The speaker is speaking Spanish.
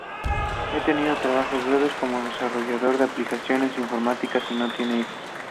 Ha tenido trabajos breves como desarrollador de aplicaciones informáticas y no tiene hijos.